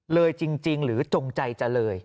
เลยจริงหรือจงใจจะเลย